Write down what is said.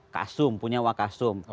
kasum punya wakasum